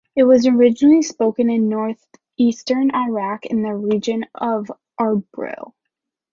It was originally spoken in northeastern Iraq, in the region of Arbil.